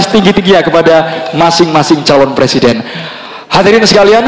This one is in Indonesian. setinggi tinggi kepada masing masing calon presiden hadirin sekalian